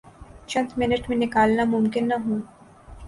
چند منٹ بھی نکالنا ممکن نہ ہوں۔